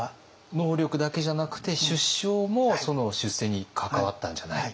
能力だけじゃなくて出生も出世に関わったんじゃないか。